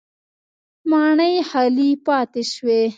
ماڼۍ خالي پاتې شوې.